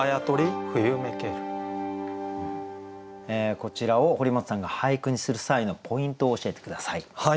こちらを堀本さんが俳句にする際のポイントを教えて下さい。